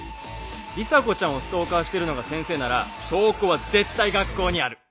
里紗子ちゃんをストーカーしてるのが先生なら証拠は絶対学校にある！